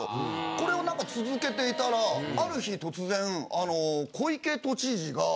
これを続けていたらある日突然。